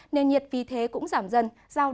nền nhiệt vì thế cũng giảm dần